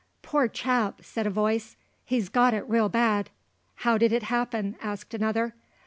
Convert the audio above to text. "Poor chap," said a voice, "he's got it real bad." "How did it happen?" asked another.